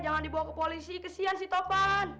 jangan dibawa ke polisi kesian si topan